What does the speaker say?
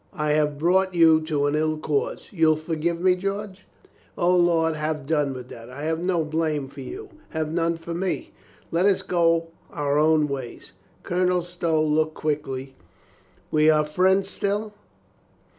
I have brought you to an ill cause. You'll forgive me, George?" "O, lud, have done with that. I have no blame for you. Have none for me. Let us go our own ways." Colonel Stow looked up quickly. "We are friends still?"